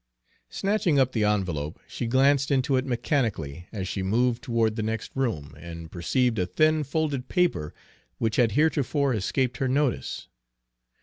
Snatching up the envelope, she glanced into it mechanically as she moved toward the next room, and perceived a thin folded paper which had heretofore escaped her notice.